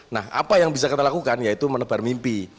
nah apa yang bisa kita lakukan yaitu menebar mimpi